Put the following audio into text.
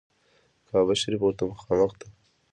کعبه شریفه ورته مخامخ ده.